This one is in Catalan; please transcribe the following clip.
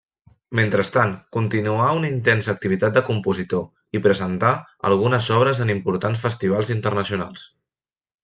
Mentrestant continuà una intensa activitat de compositor i presentà algunes obres en importants festivals internacionals.